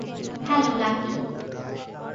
Hello, lucky.